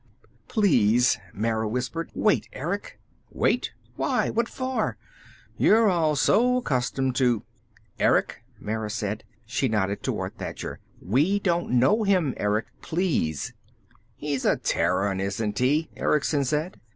"Please," Mara whispered. "Wait, Erick." "Wait? Why? What for? You're so accustomed to " "Erick," Mara said. She nodded toward Thacher. "We don't know him, Erick. Please!" "He's a Terran, isn't he?" Erickson said.